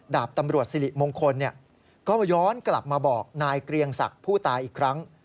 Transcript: ดาบตำรวจสิริมงคลก็ย้อนกลับมาบอกนายเกรียงศักดิ์ผู้ตายอีกครั้ง